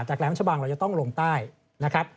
แหลมชะบังเราจะต้องลงใต้นะครับ